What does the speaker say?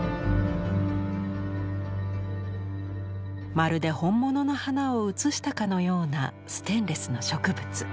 まるで本物の花を写したかのようなステンレスの植物。